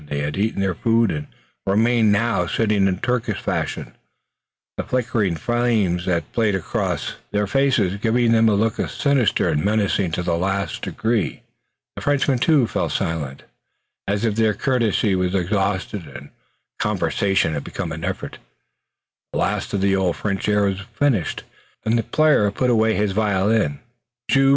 They had eaten their food and remained now, sitting in Turkish fashion, the flickering flames that played across their faces giving to them a look sinister and menacing to the last degree. The Frenchmen, too, fell silent, as if their courtesy was exhausted and conversation had become an effort. The last of the old French airs was finished, and the player put his violin away.